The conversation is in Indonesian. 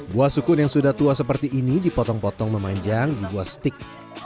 buah sukun yang sudah tua seperti ini dipotong potong memanjang di buah stick